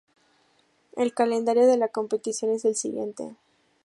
El calendario de la competición es el siguiente.